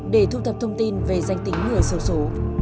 để thu thập thông tin về danh tính người sâu số